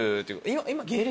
今芸歴は？